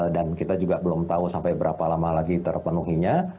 dan kita juga belum tahu sampai berapa lama lagi terpenuhinya